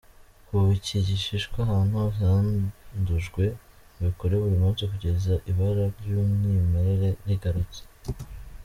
Kuba iki gishishwa ahantu hose handujwe, ubikore buri munsi kugeza ibara ry’umwimerere rigarutse.